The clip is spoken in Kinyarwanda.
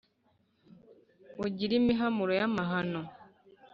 ugire imihamuro y' amahano